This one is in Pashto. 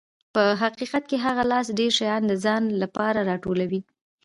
په حقیقت کې هغه لاس ډېر شیان د ځان لپاره راټولوي.